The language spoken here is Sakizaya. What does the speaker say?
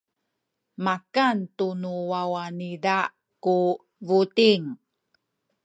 makan tu nu wawa niza ku buting.